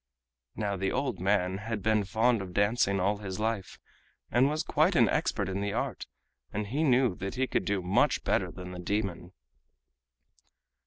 Now the old man had been fond of dancing all his life, and was quite an expert in the art, and he knew that he could do much better than the demon.